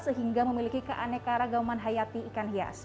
sehingga memiliki keaneka ragaman hayati ikan hias